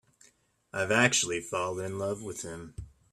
I've actually fallen in love with him.